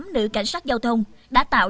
năm mươi tám nữ cảnh sát giao thông đã tạo